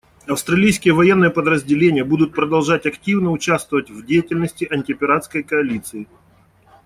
Австралийские военные подразделения будут продолжать активно участвовать в деятельности антипиратской коалиции.